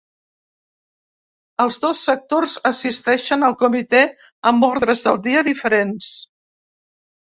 Els dos sectors assisteixen al comitè amb ordres del dia diferents.